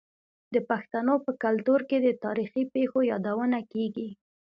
د پښتنو په کلتور کې د تاریخي پیښو یادونه کیږي.